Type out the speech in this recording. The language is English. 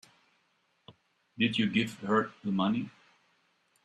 Did you give her the money?